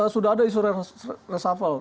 sudah ada isu resafel